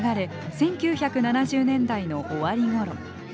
１９７０年代の終わりごろ。